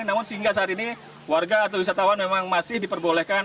namun sehingga saat ini warga atau wisatawan memang masih diperbolehkan